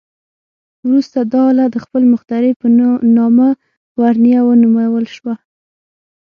وروسته دا آله د خپل مخترع په نامه ورنیه ونومول شوه.